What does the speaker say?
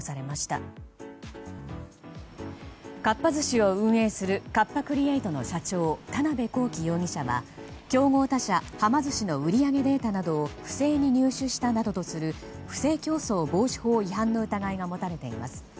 かっぱ寿司を運営するカッパ・クリエイトの社長田邊公己容疑者は競合他社、はま寿司の売り上げデータなどを不正に入手したなどとする不正競争防止法違反の疑いが持たれています。